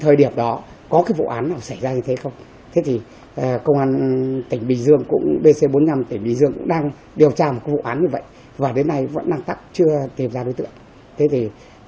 tôi là kẻ riêng người